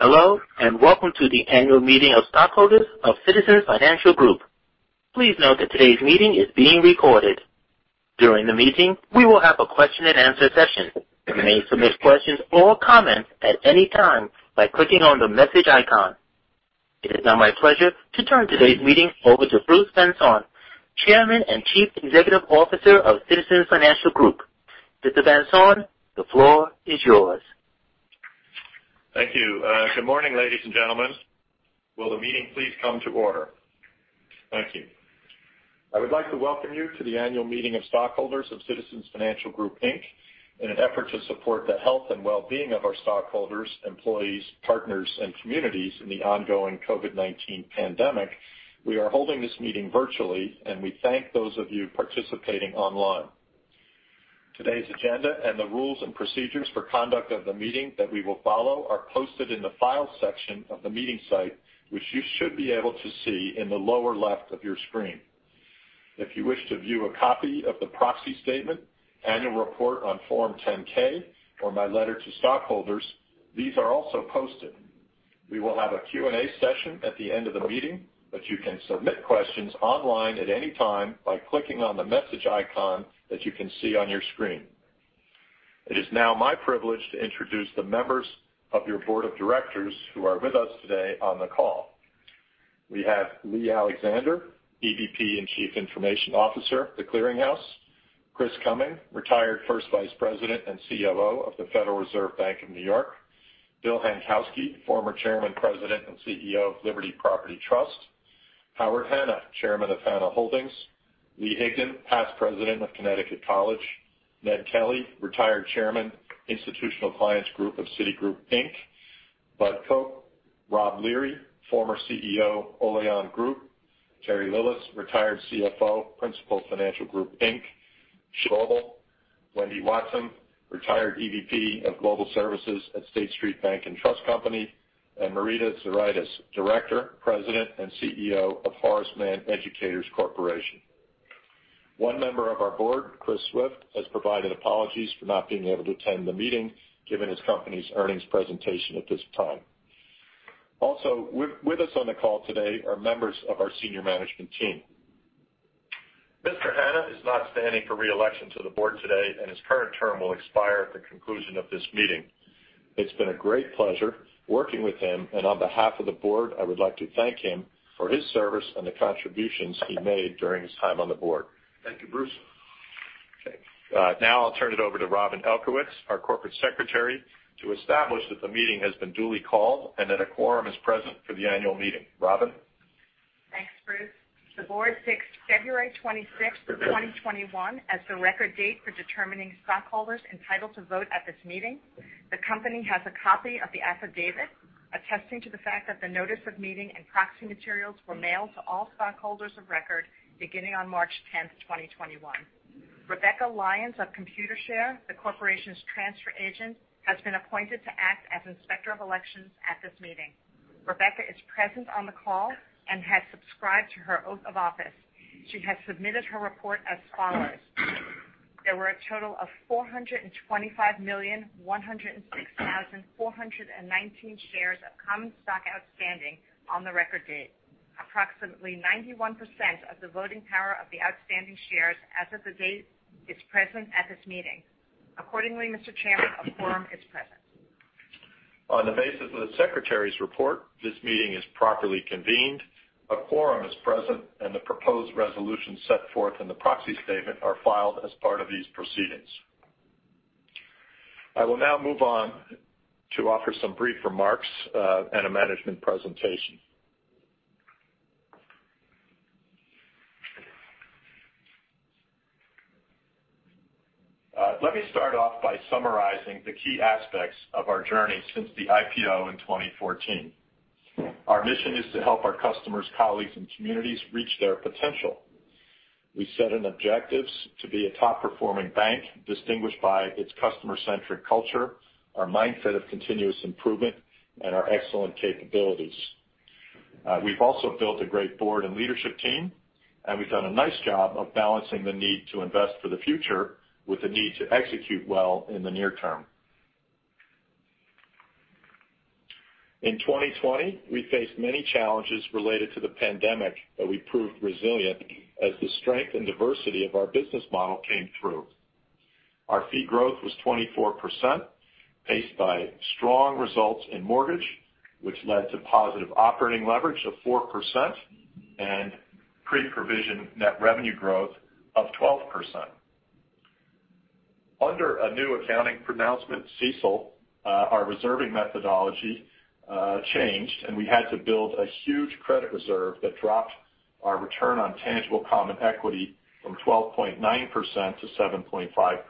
Hello, and welcome to the annual meeting of stockholders of Citizens Financial Group. Please note that today's meeting is being recorded. During the meeting, we will have a question-and-answer session. You may submit questions or comments at any time by clicking on the message icon. It is now my pleasure to turn today's meeting over to Bruce Van Saun, Chairman and Chief Executive Officer of Citizens Financial Group. Mr. Van Saun, the floor is yours. Thank you. Good morning, ladies and gentlemen. Will the meeting please come to order? Thank you. I would like to welcome you to the annual meeting of stockholders of Citizens Financial Group, Inc. In an effort to support the health and well-being of our stockholders, employees, partners, and communities in the ongoing COVID-19 pandemic, we are holding this meeting virtually, and we thank those of you participating online. Today's agenda and the rules and procedures for conduct of the meeting that we will follow are posted in the Files section of the meeting site, which you should be able to see in the lower left of your screen. If you wish to view a copy of the proxy statement, annual report on Form 10-K, or my letter to stockholders, these are also posted. We will have a Q&A session at the end of the meeting, but you can submit questions online at any time by clicking on the message icon that you can see on your screen. It is now my privilege to introduce the members of your Board of Directors who are with us today on the call. We have Lee Alexander, EVP and Chief Information Officer, The Clearing House, Chris Cumming, retired First Vice President and COO of the Federal Reserve Bank of New York, Bill Hankowsky, former Chairman, President, and CEO of Liberty Property Trust, Howard Hanna, Chairman of Hanna Holdings, Leo Higdon, past President of Connecticut College, Ned Kelly, retired Chairman, Institutional Clients Group of Citigroup Inc., Bud Koch, Rob Leary, former CEO, Olayan Group, Terry Lillis, retired CFO, Principal Financial Group Inc., Shivan Subramaniam, Wendy Watson, retired EVP of Global Services at State Street Bank and Trust Company, and Marita Zuraitis, Director, President, and CEO of Horace Mann Educators Corporation. One member of our board, Chris Swift, has provided apologies for not being able to attend the meeting given his company's earnings presentation at this time. Also with us on the call today are members of our senior management team. Mr. Hanna is not standing for re-election to the board today, and his current term will expire at the conclusion of this meeting. It's been a great pleasure working with him, and on behalf of the board, I would like to thank him for his service and the contributions he made during his time on the board. Thank you, Bruce. Okay. I'll turn it over to Robin Elkowitz, our Corporate Secretary, to establish that the meeting has been duly called and that a quorum is present for the annual meeting. Robin? Thanks, Bruce. The board fixed February 26th of 2021 as the record date for determining stockholders entitled to vote at this meeting. The company has a copy of the affidavit attesting to the fact that the notice of meeting and proxy materials were mailed to all stockholders of record beginning on March 10th, 2021. Rebecca Lyons of Computershare, the corporation's transfer agent, has been appointed to act as Inspector of Elections at this meeting. Rebecca is present on the call and has subscribed to her oath of office. She has submitted her report as follows. There were a total of 425,106,419 shares of common stock outstanding on the record date. Approximately 91% of the voting power of the outstanding shares as of the date is present at this meeting. Accordingly, Mr. Chairman, a quorum is present. On the basis of the secretary's report, this meeting is properly convened, a quorum is present, and the proposed resolutions set forth in the proxy statement are filed as part of these proceedings. I will now move on to offer some brief remarks and a management presentation. Let me start off by summarizing the key aspects of our journey since the IPO in 2014. Our mission is to help our customers, colleagues, and communities reach their potential. We set an objective to be a top-performing bank distinguished by its customer-centric culture, our mindset of continuous improvement, and our excellent capabilities. We've also built a great board and leadership team, and we've done a nice job of balancing the need to invest for the future with the need to execute well in the near-term. In 2020, we faced many challenges related to the pandemic, but we proved resilient as the strength and diversity of our business model came through. Our fee growth was 24%, paced by strong results in mortgage, which led to positive operating leverage of 4% and pre-provision net revenue growth of 12%. Under a new accounting pronouncement, CECL, our reserving methodology changed, and we had to build a huge credit reserve that dropped our return on tangible common equity from 12.9%-7.5%.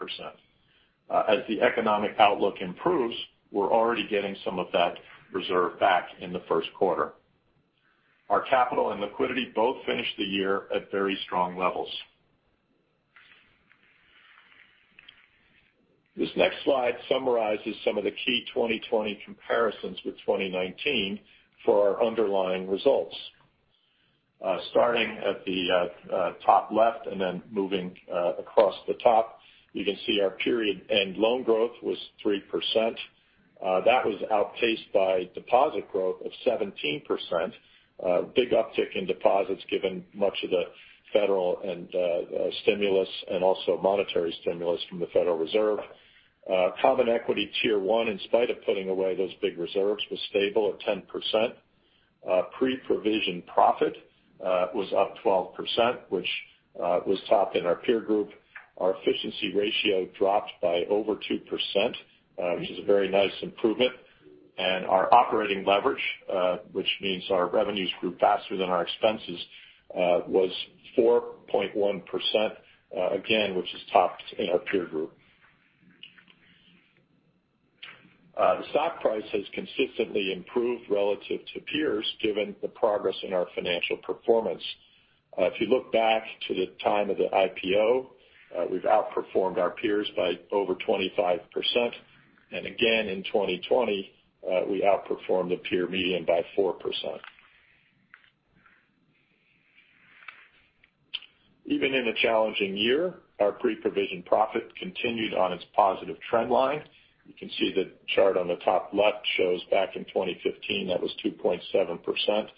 As the economic outlook improves, we're already getting some of that reserve back in the first quarter. Our capital and liquidity both finished the year at very strong levels. This next slide summarizes some of the key 2020 comparisons with 2019 for our underlying results. Starting at the top left and then moving across the top, you can see our period end loan growth was 3%. That was outpaced by deposit growth of 17%. A big uptick in deposits given much of the federal and stimulus and also monetary stimulus from the Federal Reserve. Common Equity Tier 1, in spite of putting away those big reserves, was stable at 10%. Pre-provision profit was up 12%, which was top in our peer group. Our efficiency ratio dropped by over 2%, which is a very nice improvement. Our operating leverage, which means our revenues grew faster than our expenses, was 4.1%, again, which is top in our peer group. The stock price has consistently improved relative to peers given the progress in our financial performance. If you look back to the time of the IPO, we've outperformed our peers by over 25%. Again, in 2020, we outperformed the peer median by 4%. Even in a challenging year, our pre-provision profit continued on its positive trend line. You can see the chart on the top left shows back in 2015, that was 2.7%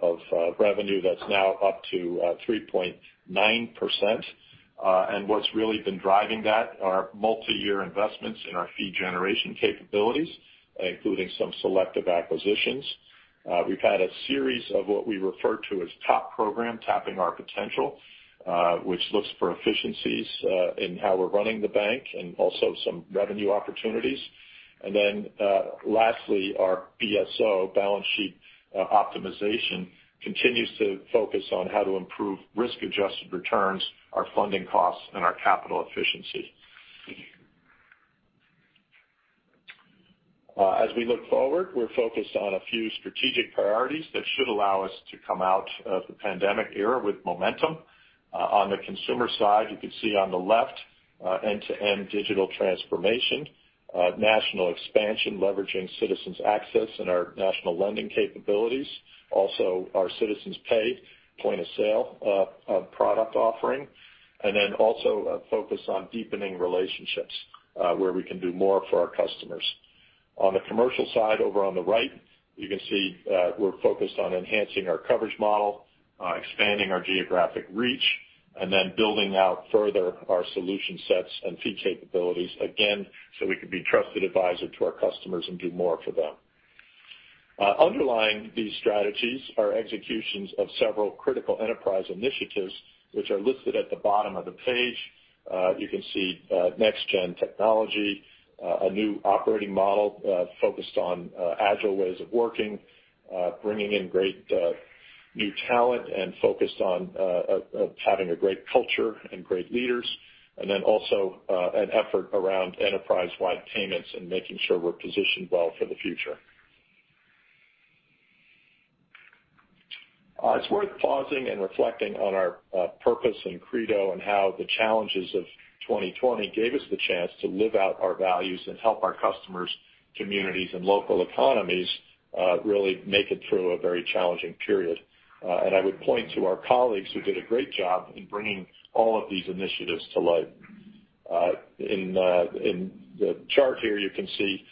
of revenue. That's now up to 3.9%. What's really been driving that are multi-year investments in our fee generation capabilities, including some selective acquisitions. We've had a series of what we refer to as TOP program, Tapping Our Potential, which looks for efficiencies in how we're running the bank and also some revenue opportunities. Lastly, our BSO, balance sheet optimization, continues to focus on how to improve risk-adjusted returns, our funding costs, and our capital efficiency. As we look forward, we're focused on a few strategic priorities that should allow us to come out of the pandemic era with momentum. On the consumer side, you can see on the left, end-to-end digital transformation, national expansion leveraging Citizens Access and our national lending capabilities. Our Citizens Pay point-of-sale product offering. A focus on deepening relationships where we can do more for our customers. On the commercial side over on the right, you can see we're focused on enhancing our coverage model, expanding our geographic reach, building out further our solution sets and fee capabilities, again, so we can be a trusted advisor to our customers and do more for them. Underlying these strategies are executions of several critical enterprise initiatives which are listed at the bottom of the page. You can see next-gen technology, a new operating model focused on agile ways of working, bringing in great new talent, and focused on having a great culture and great leaders. Then also an effort around enterprise-wide payments and making sure we're positioned well for the future. It's worth pausing and reflecting on our purpose and credo and how the challenges of 2020 gave us the chance to live out our values and help our customers, communities, and local economies really make it through a very challenging period. I would point to our colleagues who did a great job in bringing all of these initiatives to light. In the chart here, you can see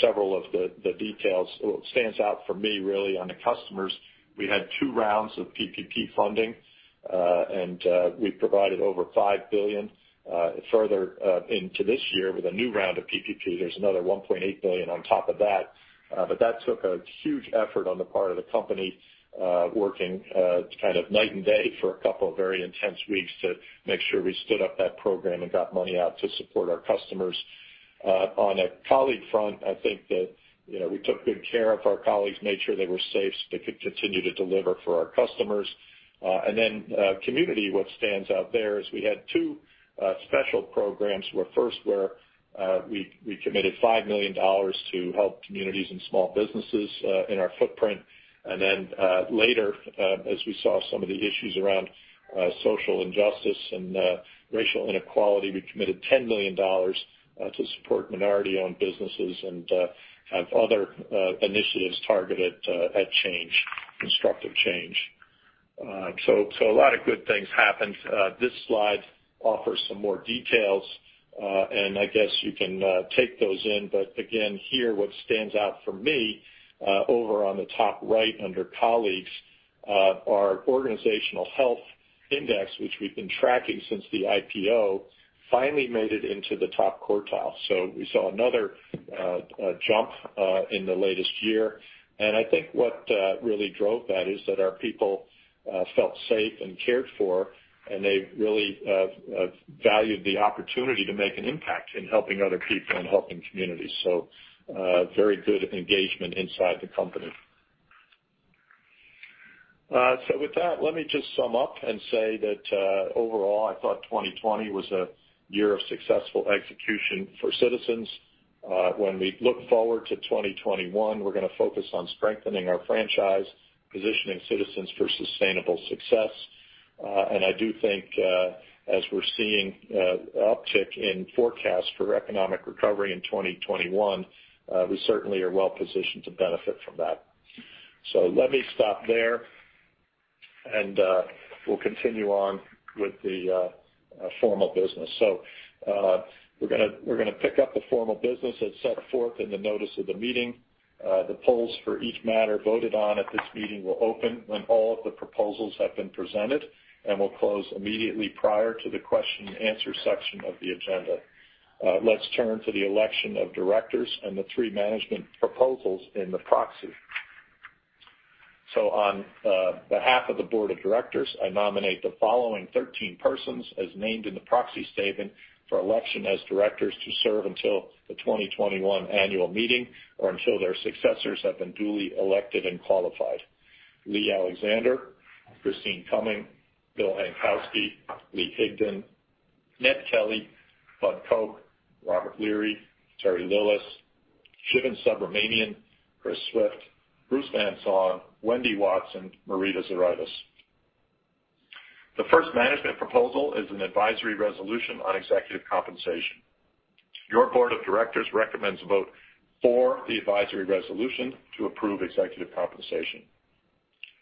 several of the details. What stands out for me really on the customers, we had two rounds of PPP funding. We provided over $5 billion. Further into this year with a new round of PPP, there's another $1.8 billion on top of that. That took a huge effort on the part of the company, working kind of night and day for a couple of very intense weeks to make sure we stood up that program and got money out to support our customers. On a colleague front, I think that we took good care of our colleagues, made sure they were safe so they could continue to deliver for our customers. Community, what stands out there is we had two special programs where first we committed $5 million to help communities and small businesses in our footprint. Later, as we saw some of the issues around social injustice and racial inequality, we committed $10 million to support minority-owned businesses and have other initiatives targeted at change, constructive change. A lot of good things happened. This slide offers some more details. I guess you can take those in, but again, here, what stands out for me, over on the top right under Colleagues, our Organizational Health Index, which we've been tracking since the IPO, finally made it into the top quartile. We saw another jump in the latest year. I think what really drove that is that our people felt safe and cared for, and they really valued the opportunity to make an impact in helping other people and helping communities. Very good engagement inside the company. With that, let me just sum up and say that overall, I thought 2020 was a year of successful execution for Citizens. When we look forward to 2021, we're going to focus on strengthening our franchise, positioning Citizens for sustainable success. I do think as we're seeing uptick in forecast for economic recovery in 2021, we certainly are well positioned to benefit from that. Let me stop there, and we'll continue on with the formal business. We're going to pick up the formal business as set forth in the notice of the meeting. The polls for each matter voted on at this meeting will open when all of the proposals have been presented, and will close immediately prior to the question-and-answer section of the agenda. Let's turn to the election of directors and the three management proposals in the proxy. On behalf of the Board of Directors, I nominate the following 13 persons as named in the proxy statement for election as directors to serve until the 2021 annual meeting or until their successors have been duly elected and qualified. Lee Alexander, Christine Cumming, Bill Hankowsky, Leo Higdon, Ned Kelly, Bud Koch, Robert Leary, Terry Lillis, Shivan Subramaniam, Chris Swift, Bruce Van Saun, Wendy Watson, Marita Zuraitis. The first management proposal is an advisory resolution on executive compensation. Your Board of Directors recommends a vote for the advisory resolution to approve executive compensation.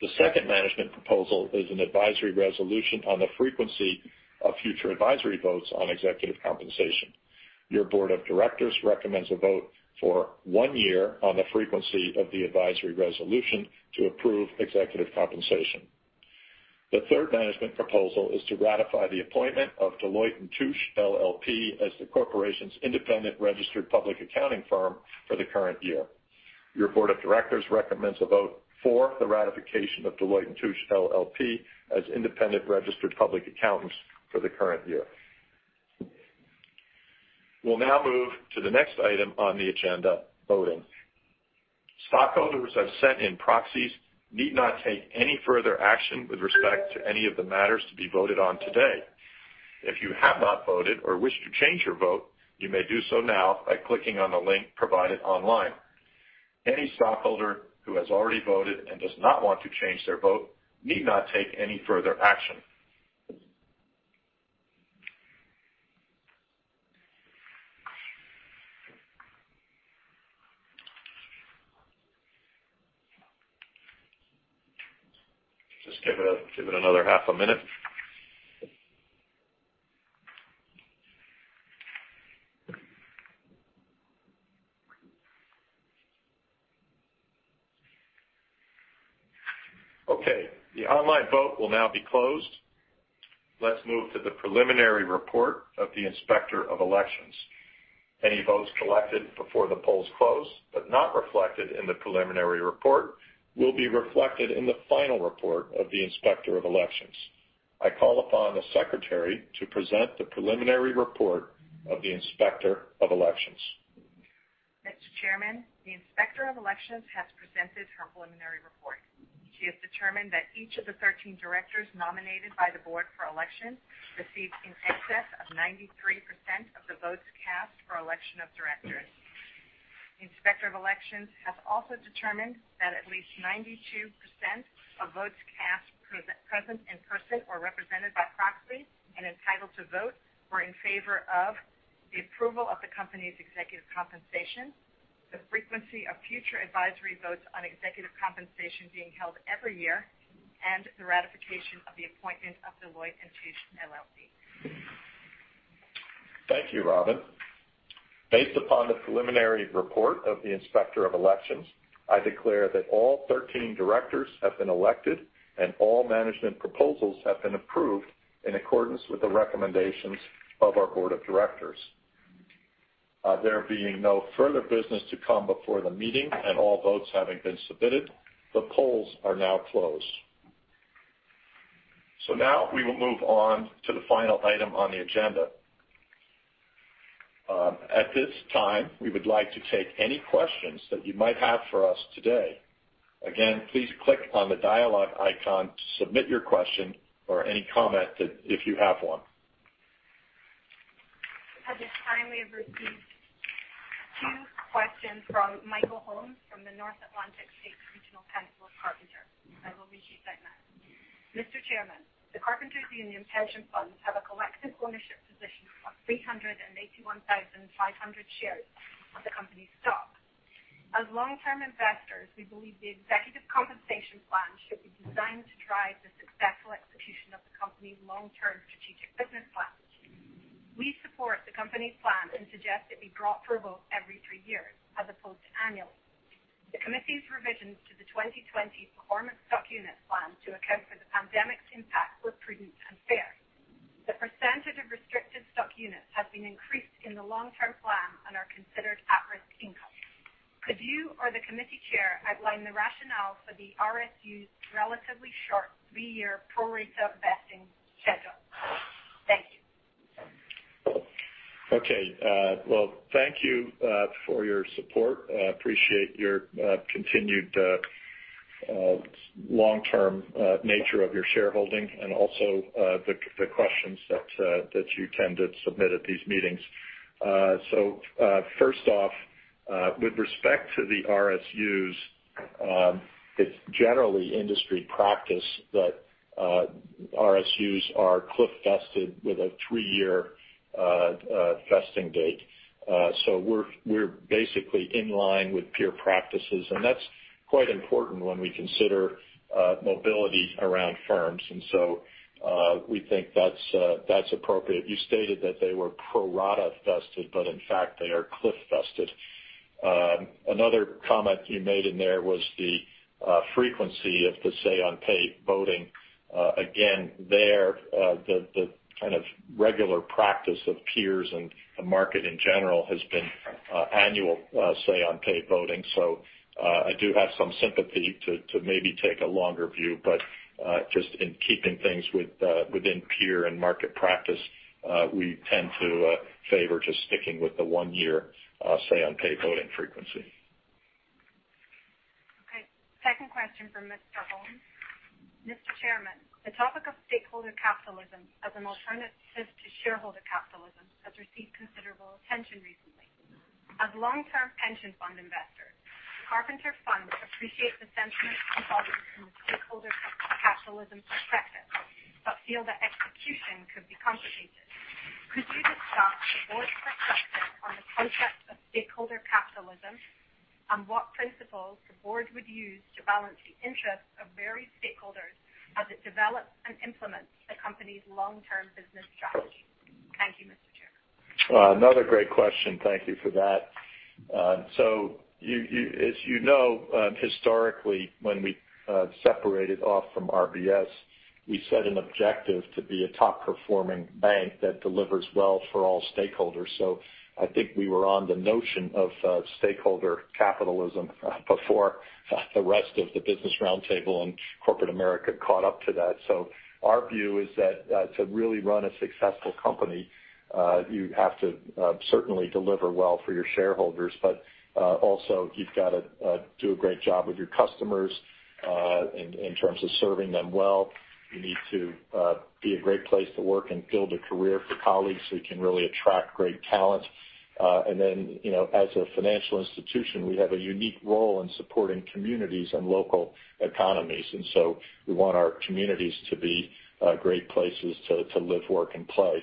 The second management proposal is an advisory resolution on the frequency of future advisory votes on executive compensation. Your Board of Directors recommends a vote for one year on the frequency of the advisory resolution to approve executive compensation. The third management proposal is to ratify the appointment of Deloitte & Touche, LLP as the corporation's independent registered public accounting firm for the current year. Your Board of Directors recommends a vote for the ratification of Deloitte & Touche, LLP as independent registered public accountants for the current year. We'll now move to the next item on the agenda, voting. Stockholders who have sent in proxies need not take any further action with respect to any of the matters to be voted on today. If you have not voted or wish to change your vote, you may do so now by clicking on the link provided online. Any stockholder who has already voted and does not want to change their vote need not take any further action. Just give it another half a minute. Okay, the online vote will now be closed. Let's move to the preliminary report of the Inspector of Elections. Any votes collected before the polls close but not reflected in the preliminary report will be reflected in the final report of the Inspector of Elections. I call upon the secretary to present the preliminary report of the Inspector of Elections. Mr. Chairman, the Inspector of Election has presented her preliminary report. She has determined that each of the 13 directors nominated by the board for election received in excess of 93% of the votes cast for election of directors. Inspector of Election has also determined that at least 92% of votes cast present in person or represented by proxy and entitled to vote were in favor of the approval of the company's executive compensation, the frequency of future advisory votes on executive compensation being held every year, and the ratification of the appointment of Deloitte & Touche LLP. Thank you, Robin. Based upon the preliminary report of the Inspector of Elections, I declare that all 13 directors have been elected and all management proposals have been approved in accordance with the recommendations of our Board of Directors. There being no further business to come before the meeting and all votes having been submitted, the polls are now closed. Now we will move on to the final item on the agenda. At this time, we would like to take any questions that you might have for us today. Again, please click on the dialogue icon to submit your question or any comment if you have one. At this time, we have received two questions from Michael Holmes from the North Atlantic States Regional Council of Carpenters. I will read you that now. "Mr. Chairman, the Carpenters Union pension funds have a collective ownership position of 381,500 shares of the company's stock. As long-term investors, we believe the executive compensation plan should be designed to drive the successful execution of the company's long-term strategic business plans. We support the company's plan and suggest it be brought for a vote every three years as opposed to annually. The committee's revisions to the 2020 performance stock unit plan to account for the pandemic's impact were prudent and fair. The percentage of restricted stock units have been increased in the long-term plan and are considered at-risk income. Could you or the committee chair outline the rationale for the RSU's relatively short three-year pro rata vesting schedule? Thank you. Okay. Well, thank you for your support. Appreciate your continued long-term nature of your shareholding and also the questions that you tend to submit at these meetings. First off, with respect to the RSUs, it's generally industry practice that RSUs are cliff vested with a three-year vesting date. We're basically in line with peer practices, and that's quite important when we consider mobility around firms. We think that's appropriate. You stated that they were pro rata vested, but in fact, they are cliff vested. Another comment you made in there was the frequency of the say on pay voting. There, the kind of regular practice of peers and the market in general has been annual say on pay voting. I do have some sympathy to maybe take a longer view, but just in keeping things within peer and market practice, we tend to favor just sticking with the one year say on pay voting frequency. Okay. Second question from Mr. Holmes. Mr. Chairman, the topic of stakeholder capitalism as an alternative to shareholder capitalism has received considerable attention recently. As long-term pension fund investors, Carpenter funds appreciate the sentiment involved in the stakeholder capitalism perspective, but feel that execution could be complicated. Could you discuss the board's perspective on the concept of stakeholder capitalism, and what principles the board would use to balance the interests of varied stakeholders as it develops and implements the company's long-term business strategy? Thank you, Mr. Chairman. Another great question. Thank you for that. As you know, historically, when we separated off from RBS, we set an objective to be a top-performing bank that delivers well for all stakeholders. I think we were on the notion of stakeholder capitalism before the rest of the Business Roundtable and corporate America caught up to that. Our view is that to really run a successful company, you have to certainly deliver well for your shareholders. Also you've got to do a great job with your customers, in terms of serving them well. You need to be a great place to work and build a career for colleagues so you can really attract great talent. Then, as a financial institution, we have a unique role in supporting communities and local economies. We want our communities to be great places to live, work, and play.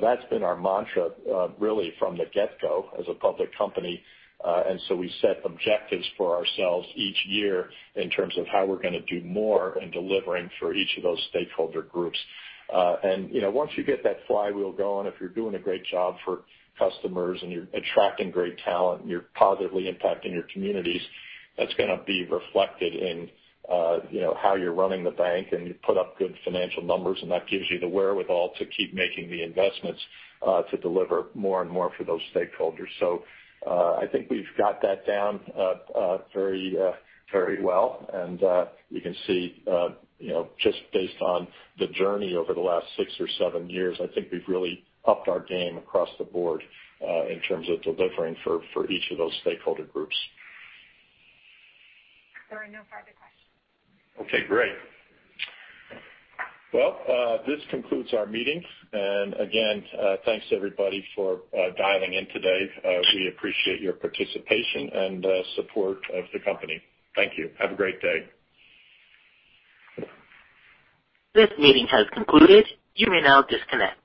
That's been our mantra, really from the get-go as a public company. We set objectives for ourselves each year in terms of how we're going to do more in delivering for each of those stakeholder groups. Once you get that flywheel going, if you're doing a great job for customers and you're attracting great talent, and you're positively impacting your communities, that's going to be reflected in how you're running the bank. You put up good financial numbers, and that gives you the wherewithal to keep making the investments, to deliver more and more for those stakeholders. I think we've got that down very well. You can see just based on the journey over the last six or seven years, I think we've really upped our game across the board in terms of delivering for each of those stakeholder groups. There are no further questions. Okay, great. Well, this concludes our meeting. Again, thanks everybody for dialing in today. We appreciate your participation and support of the company. Thank you. Have a great day. This meeting has concluded. You may now disconnect.